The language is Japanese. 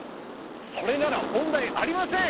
それなら問題ありません。